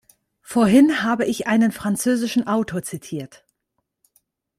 Vorhin habe ich einen französischen Autor zitiert.